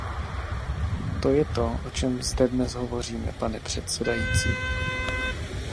To je to, o čem zde dnes hovoříme, pane předsedající.